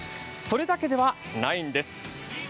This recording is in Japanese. それだけではないんです。